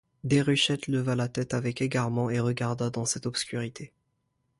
Déruchette leva la tête avec égarement et regarda dans cette obscurité.